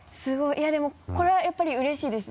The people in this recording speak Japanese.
いやでもこれはやっぱりうれしいです。